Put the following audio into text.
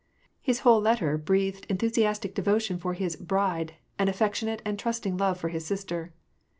His whole letter breathed enthusiastic devotion for his " bride," and affectionate and trusting love for his sister.